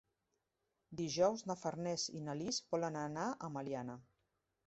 Dijous na Farners i na Lis volen anar a Meliana.